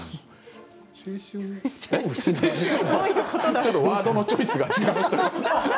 ちょっとワードのチョイスが違いました。